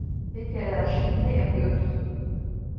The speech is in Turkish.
Pekala, şimdi ne yapıyoruz?